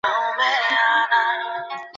এটা একটি প্রয়োজনীয়তা।